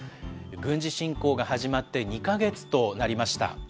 軍事侵攻が始まって２か月となりました。